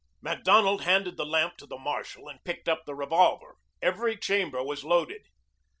Macdonald handed the lamp to the marshal and picked up the revolver. Every chamber was loaded.